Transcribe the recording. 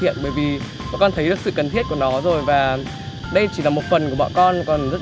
hiện bởi vì bọn con thấy được sự cần thiết của nó rồi và đây chỉ là một phần của bọn con còn rất